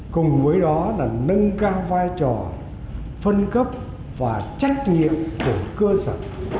cùng với đó là nâng cao vai trò phân cấp và trách nhiệm từ cơ sở